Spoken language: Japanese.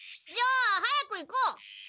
じゃあ早く行こう！